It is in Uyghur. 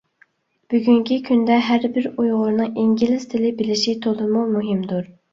بۈگۈنكى كۈندە ھەر بىر ئۇيغۇرنىڭ ئىنگلىز تىلى بىلىشى تولىمۇ مۇھىمدۇر.